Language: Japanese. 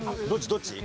どっち？